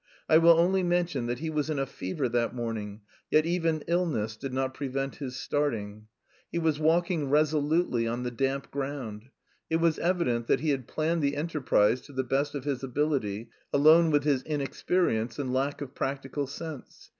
I will only mention that he was in a fever that morning, yet even illness did not prevent his starting. He was walking resolutely on the damp ground. It was evident that he had planned the enterprise to the best of his ability, alone with his inexperience and lack of practical sense.